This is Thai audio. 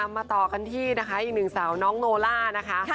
มาต่อกันที่นะคะอีกหนึ่งสาวน้องโนล่านะคะ